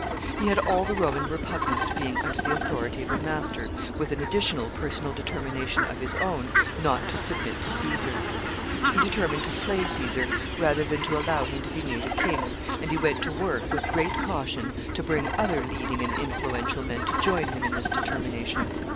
He had all the Roman repugnance to being under the authority of a master, with an additional personal determination of his own not to submit to Caesar. He determined to slay Caesar rather than to allow him to be made a king, and he went to work, with great caution, to bring other leading and influential men to join him in this determination.